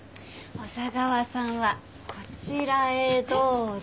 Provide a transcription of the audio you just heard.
小佐川さんはこちらへどうぞ。